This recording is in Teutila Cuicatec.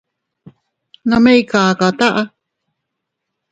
Nome ikaka taʼa.